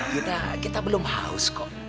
yuna kita belum haus kok